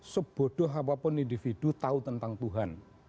sebodoh apapun individu tahu tentang tuhan